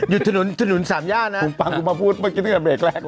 อยู่ถนุนถนุนสามย่านะฟุ้มปังกูมาพูดเมื่อกี้ถึงกับเบรกแรก